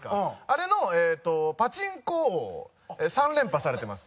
あれのパチンコ王を３連覇されてます。